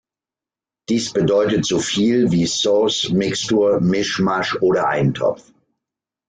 Dies bedeutet so viel wie Sauce, Mixtur, Mischmasch oder Eintopf.